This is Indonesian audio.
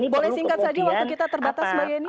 boleh singkat saja waktu kita terbatas mbak yeni